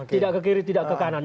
tidak ke kiri tidak ke kanan